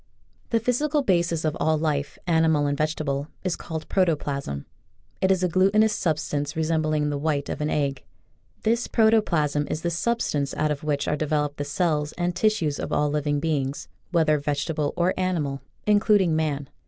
The physical basis of all life, animal and vegetable, is called Protoplasm. It is a glutinous substance resembling the white of an egg. This protoplasm is the substance out of which are developed the cells and tissues of all living beings, whether vegetable or ani mal, including man.